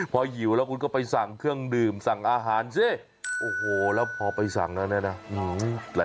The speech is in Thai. พอหิวแล้วคุณก็ไปสั่งเครื่องดื่มสั่งอาหารสิโอ้โหแล้วพอไปสั่งแล้วนะ